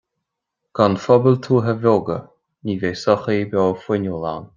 Gan phobail tuaithe bheoga ní bheidh sochaí beo fuinniúil ann